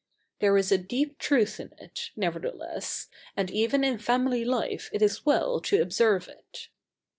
There is a deep truth in it, nevertheless, and even in family life it is well to observe it.